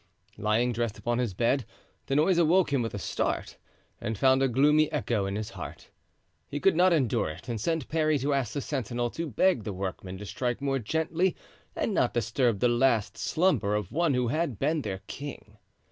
Lying dressed upon his bed, the noise awoke him with a start and found a gloomy echo in his heart. He could not endure it, and sent Parry to ask the sentinel to beg the workmen to strike more gently and not disturb the last slumber of one who had been their king.